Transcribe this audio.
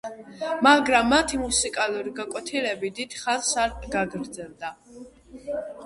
მაგრამ მათი მუსიკალური გაკვეთილები დიდ ხანს არ გაგრძელდა.